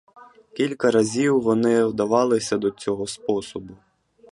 Кілька разів вони вдавалися до цього способу.